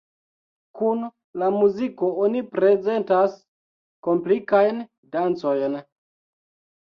Kun la muziko oni prezentas komplikajn dancojn.